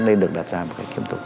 nên được đặt ra một cái kiếm tục